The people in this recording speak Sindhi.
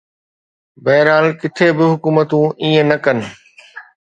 بهرحال، ڪٿي به حڪومتون ائين نه ڪن